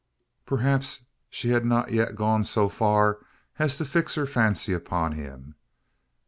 Perhaps she had not yet gone so far as to fix her fancy upon him.